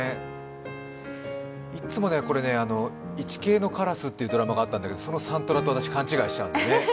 いつもこれ、「いちけいのカラス」というドラマがあったんですが、そのサントラと私、勘違いしちゃうんですね。